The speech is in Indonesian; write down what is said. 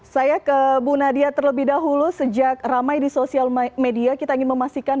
saya ke bu nadia terlebih dahulu sejak ramai di sosial media kita ingin memastikan